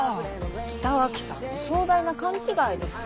北脇さんの壮大な勘違いです。